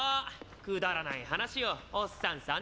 くだらない話をおっさん３人で！